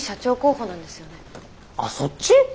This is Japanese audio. あそっち？